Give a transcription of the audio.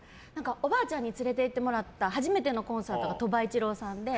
おばあちゃんに連れて行ってもらった初めてのコンサートが鳥羽一郎さんで。